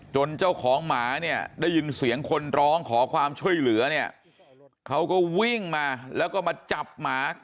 เจ้าของหมาเนี่ยได้ยินเสียงคนร้องขอความช่วยเหลือเนี่ยเขาก็วิ่งมาแล้วก็มาจับหมา